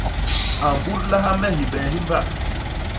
A mbudlaha me hibee hi mbak.